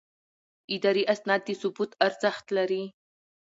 اداري اسناد د ثبوت ارزښت لري.